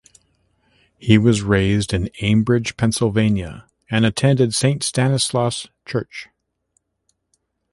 He was raised in Ambridge, Pennsylvania and attended Saint Stanislaus Church.